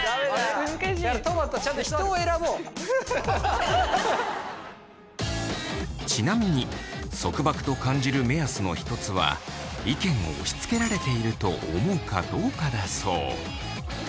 とまとちなみに束縛と感じる目安の一つは意見を押しつけられていると思うかどうかだそう。